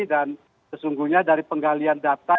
dan sesungguhnya dari penggalian data